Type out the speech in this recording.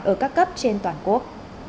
ở các cấp trên toàn quốc